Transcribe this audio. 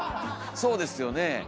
そうですよね。